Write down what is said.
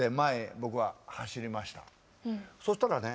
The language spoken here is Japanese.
そしたらね